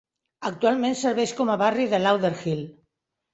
Actualment serveix com a barri de Lauderhill.